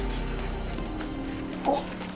あっ。